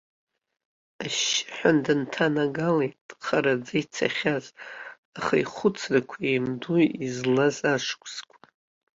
Ашьшьыҳәа дынҭанагалт, хараӡа ицахьаз, аха ихәыцрақәа еимдо излаз ашәышықәса.